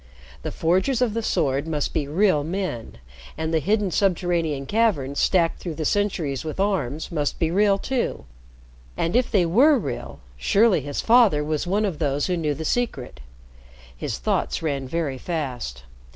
The Forgers of the Sword must be real men, and the hidden subterranean caverns stacked through the centuries with arms must be real, too. And if they were real, surely his father was one of those who knew the secret. His thoughts ran very fast.